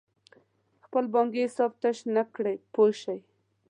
خپل بانکي حساب تش نه کړې پوه شوې!.